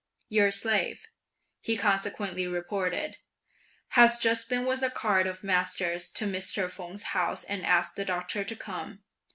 "Your slave," he consequently reported, "has just been with a card of master's to Mr. Feng's house and asked the doctor to come.